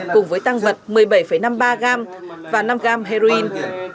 cùng với tăng vật một mươi bảy năm mươi ba gram và năm gram heroin